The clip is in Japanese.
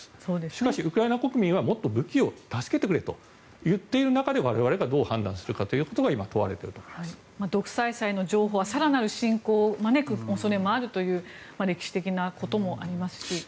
しかしウクライナ国民はもっと助けてくれと言っている中で我々がどう判断するかということが問われている独裁者は更なる侵攻を招く恐れもあるという歴史的なこともありますし。